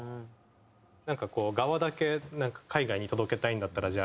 なんかこうガワだけ海外に届けたいんだったらじゃあ